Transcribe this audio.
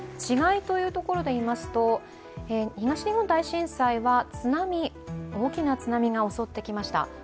違いというところで言いますと東日本大震災は津波、大きな津波が襲ってきました。